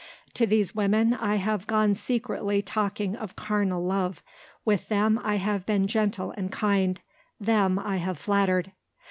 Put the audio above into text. To these women I have gone secretly talking of carnal love. With them I have been gentle and kind; them I have flattered."